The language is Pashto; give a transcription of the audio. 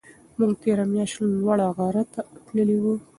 موږ تېره میاشت لوړ غره ته تللي وو.